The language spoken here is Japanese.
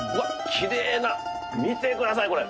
きれいな見てくださいこれ。